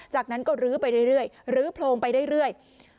จากนั้นก็ลื้อไปเรื่อยลื้อโพรงไปเรื่อย